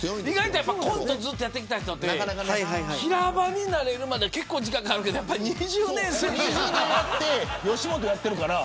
コントをずっとやってきた人って平場に慣れるまで結構時間かかるけどやっぱり２０年やってるから。